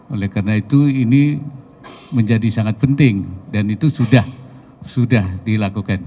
oleh karena itu ini menjadi sangat penting dan itu sudah dilakukan